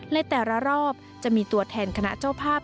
ในแต่ละรอบจะมีตัวแทนคณะเจ้าภาพ